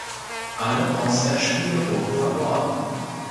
Alle Auswärtsspiele wurden verloren.